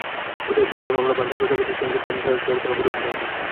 অতএব বুঝিলাম, আমরা ভাগ্যে প্রজাপতির সঙ্গে পঞ্চশরের কোনো বিরোধ নাই।